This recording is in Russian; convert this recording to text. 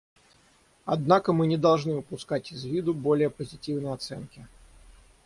Однако мы не должны упускать из виду более позитивные оценки.